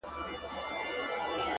خو ما د لاس په دسمال ووهي ويده سمه زه!